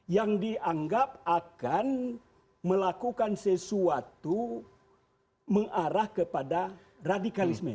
yang dianggap akan melakukan sesuatu mengarah kepada radikalisme